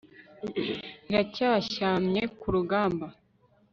iracyashyamye ku rugamba